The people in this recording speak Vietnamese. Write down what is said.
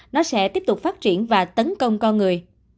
nó sẽ tiếp tục phát triển và tấn công con người